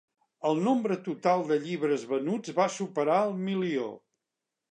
El nombre total de llibres venuts va superar el milió.